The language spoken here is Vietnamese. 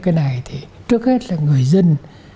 cái này thì trước hết là người dân